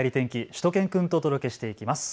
しゅと犬くんとお届けしていきます。